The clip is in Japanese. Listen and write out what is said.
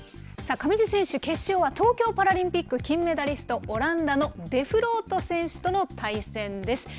上地選手、決勝は東京パラリンピック金メダリスト、オランダのデフロート選手との対戦です。